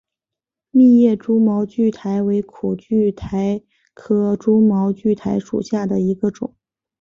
密叶蛛毛苣苔为苦苣苔科蛛毛苣苔属下的一个种。